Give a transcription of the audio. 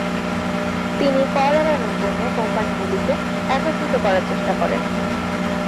তিনি কর এড়ানোর জন্য কোম্পানিগুলিকে একত্রিত করার চেষ্টা করেন।